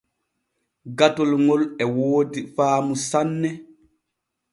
Gatol ŋol e woodi faamu sanne.